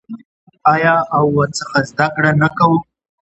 آیا او ورڅخه زده کړه نه کوو؟